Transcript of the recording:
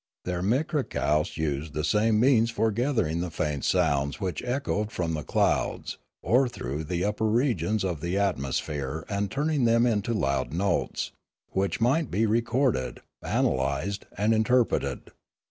Their mikrakousts used the same means for gathering the faint sounds which echoed from the clouds or through the upper regions of the atmos phere and turning them into loud notes, which might be recorded, analysed, and interpreted.